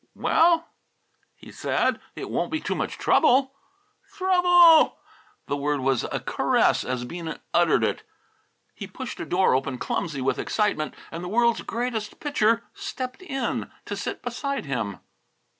"Well," he said, "if it won't be too much trouble?" "Trouble!" The word was a caress as Bean uttered it. He pushed a door open, clumsy with excitement, and the World's Greatest Pitcher stepped in to sit beside him.